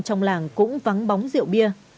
trong làng cũng vắng bóng rượu bia